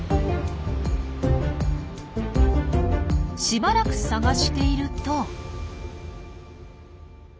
しばらく探していると。